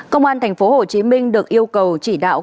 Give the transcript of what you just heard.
công an tp hcm được yêu cầu chỉ đạo